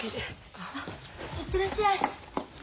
あっ行ってらっしゃい。